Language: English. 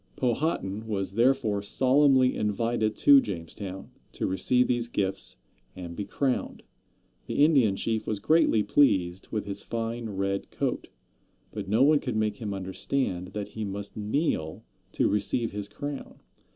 Powhatan was therefore solemnly invited to Jamestown, to receive these gifts and be crowned. The Indian chief was greatly pleased with his fine red coat. But no one could make him understand that he must kneel to receive his crown.